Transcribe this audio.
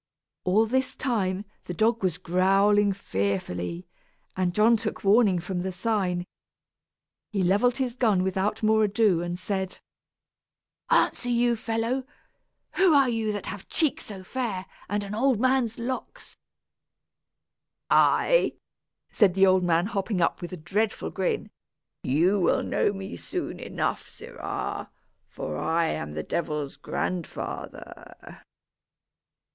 All this time, the dog was growling fearfully, and John took warning from the sign. He levelled his gun without more ado, and said: "Answer, you fellow. Who are you that have cheeks so fair, and an old man's locks?" "I?" said the old man, hopping up with a dreadful grin, "you will know me soon enough, sirrah, for I am the devil's grandfather."